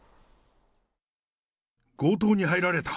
強盗に入られた。